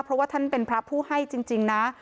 เพราะว่าท่านเป็นพระผู้ให้จริงนะ